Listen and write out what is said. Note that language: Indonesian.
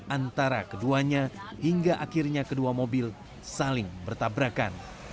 antara keduanya hingga akhirnya kedua mobil saling bertabrakan